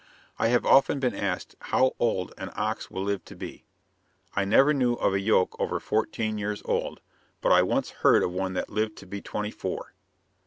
I have often been asked how old an ox will live to be. I never knew of a yoke over fourteen years old, but I once heard of one that lived to be twenty four.